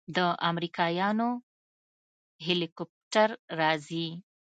د امريکايانو هليكاپټر راځي.